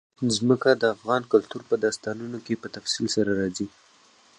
ځمکه د افغان کلتور په داستانونو کې په تفصیل سره راځي.